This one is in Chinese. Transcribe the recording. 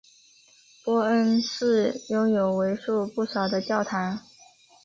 波恩市拥有为数不少的教堂。